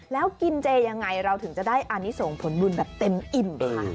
แล้วกินเจยังไงเราถึงจะได้อันนี้ส่งผลบุญแบบเต็มอิ่มค่ะ